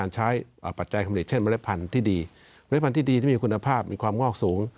เช่นมะเร็บพันธุ์ที่ดีมะเร็บพันธุ์ที่ดีที่มีคุณภาพมีความงอกสูง